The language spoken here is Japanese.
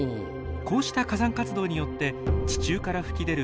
こうした火山活動によって地中から噴き出る